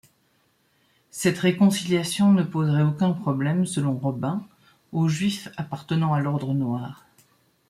Cette réconciliation ne poserait aucun problème, selon Robin, aux juifs appartenant à l'Ordre Noir.